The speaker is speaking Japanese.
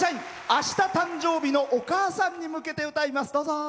あした誕生日のお母さんに向けて歌います。